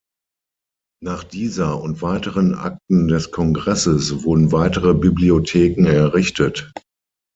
Nach dieser und weiteren Akten des Kongresses wurden weitere Bibliotheken errichtet.